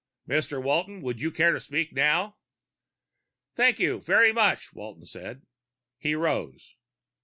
Mr. Walton, would you care to speak now?" "Thank you very much," Walton said. He rose.